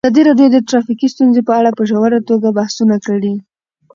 ازادي راډیو د ټرافیکي ستونزې په اړه په ژوره توګه بحثونه کړي.